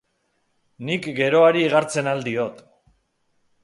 Nik geroari igartzen ahal diot.